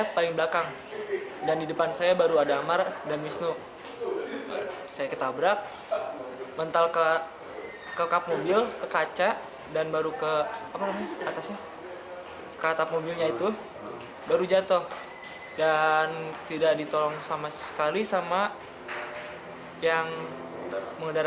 pengendara yang menurut saya